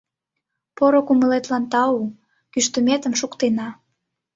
Поро кумылетлан тау, кӱштыметым шуктена.